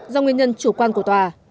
do nguyên nhân chủ quan của tòa